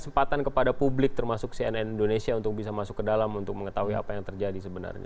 kesempatan kepada publik termasuk cnn indonesia untuk bisa masuk ke dalam untuk mengetahui apa yang terjadi sebenarnya